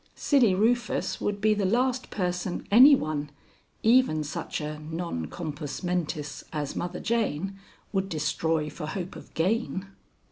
Silly Rufus would be the last person any one, even such a non compos mentis as Mother Jane, would destroy for hope of gain."